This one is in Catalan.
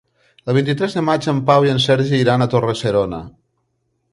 El vint-i-tres de maig en Pau i en Sergi iran a Torre-serona.